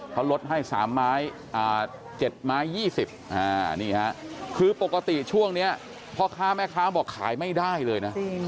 เขาลดให้๓ไม้๗ไม้๒๐นี่ฮะคือปกติช่วงนี้พ่อค้าแม่ค้าบอกขายไม่ได้เลยนะ